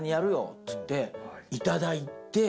っつって、いただいて。